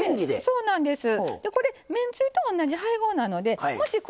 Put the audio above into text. そうなんですよ。